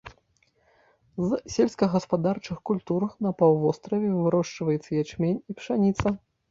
З сельскагаспадарчых культур на паўвостраве вырошчваецца ячмень і пшаніца.